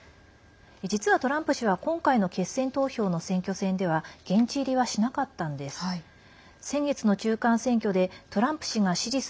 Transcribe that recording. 実は、トランプ氏は今回の決選投票の選挙戦では現地入りは、しなかったんです。